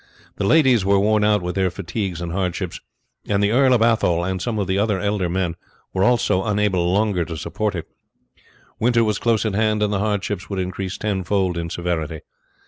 The ladies were worn out with their fatigues and hardships, and the Earl of Athole, and some of the other elder men, were also unable longer to support it. Winter was close at hand, and the hardships would increase ten fold in severity.